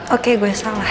oke gue salah